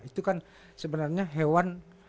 itu kan sebenarnya hewan